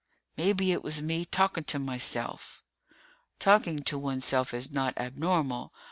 Maybe it was me, talking to myself!" Talking to oneself is not abnormal.